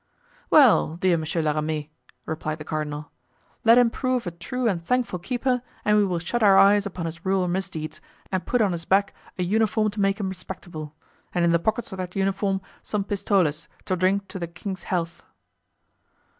"Well, dear Monsieur la Ramee," replied the cardinal "let him prove a true and thankful keeper and we will shut our eyes upon his rural misdeeds and put on his back a uniform to make him respectable, and in the pockets of that uniform some pistoles to drink to the king's health."